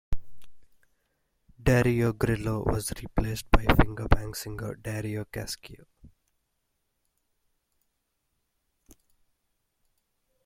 Dario Grillo was replaced by Fingerbang singer Dario Cascio.